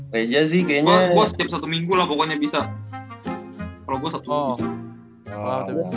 reja sih kayaknya satu minggu lah pokoknya bisa kalau gua satu